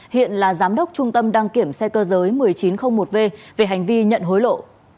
hiện là giám đốc trung tâm đăng kiểm xe cơ giới một nghìn chín trăm linh một v về hành vi nhận hối lộ